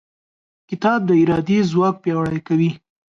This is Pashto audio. کتاب د ارادې ځواک پیاوړی کوي.